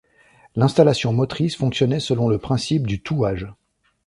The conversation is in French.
L'installation motrice fonctionnait selon le principe du touage.